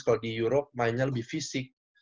kalau di euro mainnya lebih fisik